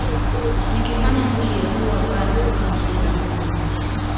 Nikifanya mie huwa baya mpaka mzungu anajua